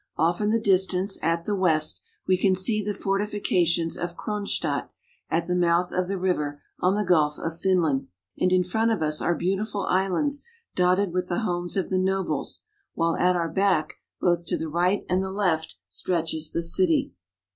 Off in the distance, at the west, we can see the fortifications of Kronstadt at the mouth of the river, on the Gulf of Finland, and in front of us are beautiful islands dotted with the homes of the nobles, while at our back, both to the right and the left, stretches the city.